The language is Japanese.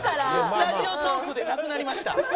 スタジオトークでなくなりました。